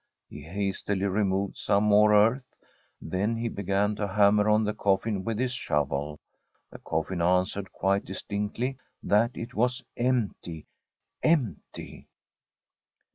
He hastily removed some more earth. Then he began to hammer on the coffin with his shovel. The coffin answered quite distinctly that it was empty— empty.